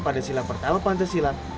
pada sila pertal pancasila